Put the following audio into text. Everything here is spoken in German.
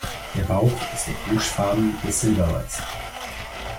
Der Bauch ist orangefarben bis silberweiß.